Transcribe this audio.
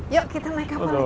yuk kita naik kapal